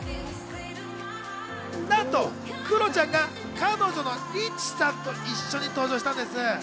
なんとクロちゃんが彼女のリチさんと一緒に登場したんです。